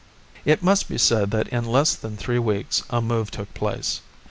It must be said that in less than three weeks a move took place.